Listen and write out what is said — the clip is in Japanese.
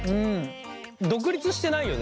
独立してないよね？